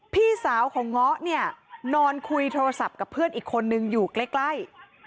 พี่สาวของเงาะเนี่ยนอนคุยโทรศัพท์กับเพื่อนอีกคนนึงอยู่ใกล้